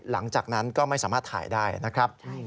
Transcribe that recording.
หลังจากนั้นก็ไม่สามารถถ่ายได้นะครับ